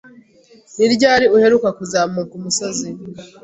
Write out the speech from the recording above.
Ni ryari uheruka kuzamuka umusozi?